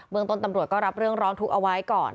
เมืองต้นตำรวจก็รับเรื่องร้องทุกข์เอาไว้ก่อน